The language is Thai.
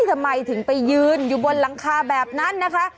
ทำไมถึงไปยืนอยู่บนหลังคาแบบนั้นนะคะ